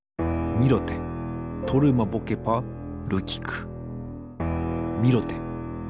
ミロテトルマボケパルキク。